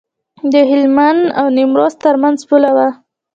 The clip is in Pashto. د هلمند او نیمروز ترمنځ پوله وه.